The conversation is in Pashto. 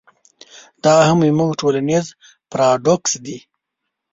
دا هم زموږ ټولنیز پراډوکس دی.